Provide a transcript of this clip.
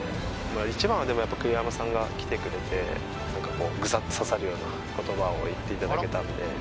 一番はでもやっぱ栗山さんが来てくれてグサッと刺さるような言葉を言っていただけたんで。